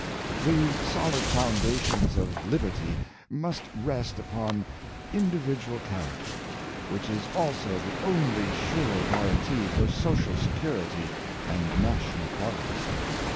The solid foundations CcBsa risrn — Independence. 169 of liberty must rest upon individual character, which is also the only sure guaranty for social security and national progress.